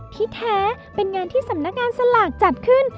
ที่แท้เป็นงานที่สำนักงานสลากจัดขึ้น